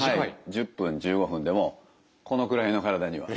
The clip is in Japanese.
１０分１５分でもこのくらいの体には。